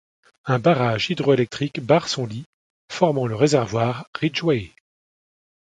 Un barrage hydro-électrique barre son lit formant le réservoir Ridgway.